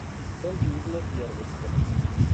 Son diurnos y arborícolas.